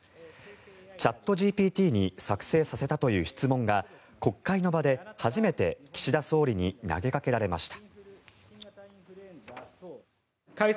チャットＧＰＴに作成させたという質問が国会の場で初めて岸田総理に投げかけられました。